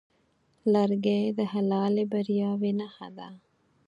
لرګی د حلالې بریاوې نښه ده.